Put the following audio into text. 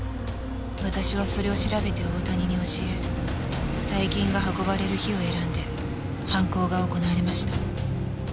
私はそれを調べて大谷に教え大金が運ばれる日を選んで犯行が行われました。